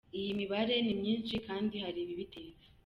Iyi mibare ni myinshi kandi hari ibibitera.